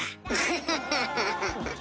ハハハハハハッ！